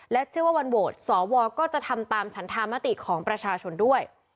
แล้วก็จะทำตามฉันธรรมติของประชาชนด้วย